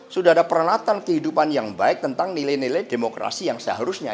sudah ada peralatan kehidupan yang baik tentang nilai nilai demokrasi yang seharusnya